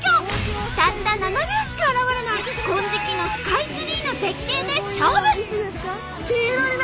たった７秒しか現れない金色のスカイツリーの絶景で勝負。